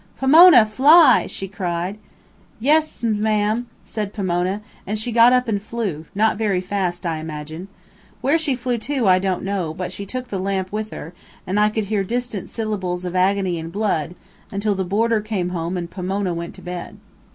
"Pomona, fly!" she cried. "Yes, sma'am," said Pomona; and she got up and flew not very fast, I imagine. Where she flew to I don't know, but she took the lamp with her, and I could hear distant syllables of agony and blood, until the boarder came home and Pomona went to bed.